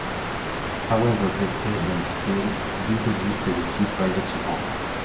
However, Bethlehem Steel did exist as a key private supporter.